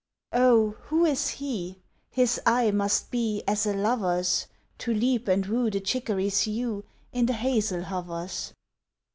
Oh, who is he? His eye must be As a lover's To leap and woo the chicory's hue In the hazel hovers!